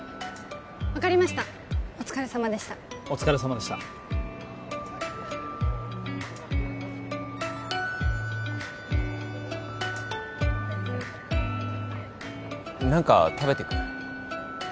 分かりましたお疲れさまでしたお疲れさまでした何か食べてく？